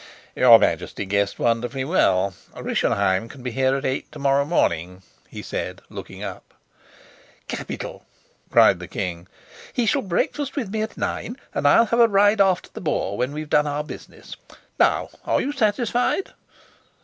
"Your Majesty guessed wonderfully well. Rischenheim can be here at eight to morrow morning," he said, looking up. "Capital!" cried the king. "He shall breakfast with me at nine, and I'll have a ride after the boar when we've done our business. Now are you satisfied?"